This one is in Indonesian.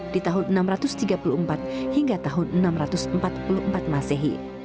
di tahun enam ratus tiga puluh empat hingga tahun enam ratus empat puluh empat masehi